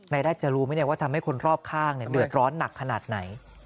นายได้จะรู้ไหมว่าทำให้คนรอบข้างเดือดร้อนหนักขนาดไหน